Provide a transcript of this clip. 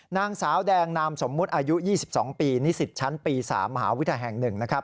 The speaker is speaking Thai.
นางสาวแดงนามสมมุติอายุ๒๒ปีนิสิตชั้นปี๓มหาวิทยาลัยแห่ง๑นะครับ